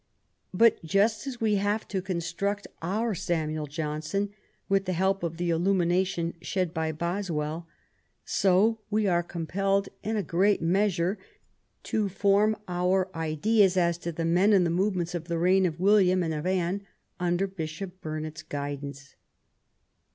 But just as we have to construct our Samuel Johnson with the help of the illumination shed by Boswell, so we are compelled in a great measure to form our ideas as to the men and the movements of the reign of William and of Anne under Bishop Burnet's guidance.